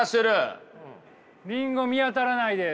リンゴ見当たらないです。